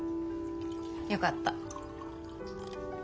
よかった。